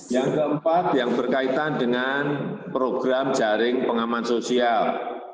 yang keempat yang berkaitan dengan program jaring pengaman sosial